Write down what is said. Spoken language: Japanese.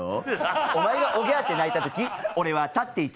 お前がオギャーって泣いたとき、俺は立っていた。